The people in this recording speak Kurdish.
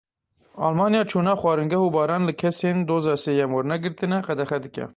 Almanya çûna xwaringeh û baran li kesên doza sêyem wernegirtine qedexe dike.